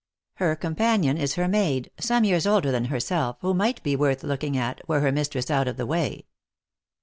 Her companion is her maid, some years older than herself, who might be worth looking at, were her mis tress out of the way.